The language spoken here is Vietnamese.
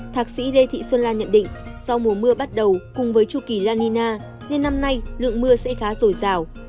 thạc sĩ lê thị xuân lan nhận định do mùa mưa bắt đầu cùng với trục kỳ la nina nên năm nay lượng mưa sẽ khá rổi rào